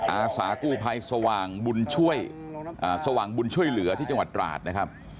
อาสากู้ภัยสว่างบุญช่วยเหลือที่จังหวัดตราดนะครับ